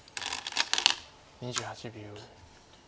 ２８秒。